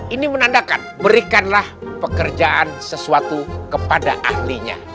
ini menandakan berikanlah pekerjaan sesuatu kepada ahlinya